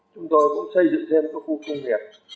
chúng tôi cũng xây dựng thêm các khu công nghiệp